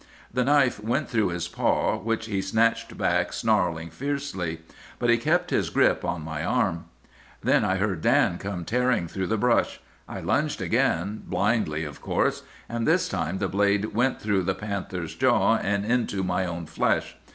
The knife went through his paw, which he snatched back, snarling fiercely. But he kept his grip on my arm. "'Then I heard Dan come tearing through the brush. I lunged again, blindly of course; and this time the blade went through the panther's jaw and into my own flesh.